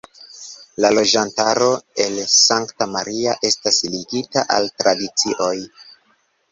La loĝantaro el Sankta Maria estas ligita al tradicioj.